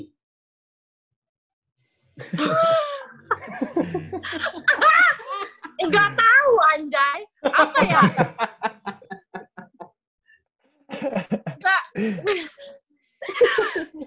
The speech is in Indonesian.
nggak tau anjay apa ya